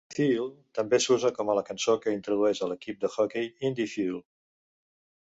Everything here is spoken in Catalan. "Fuel" també s'usa com la cançó que introdueix a l'equip de hoquei Indy Fuel.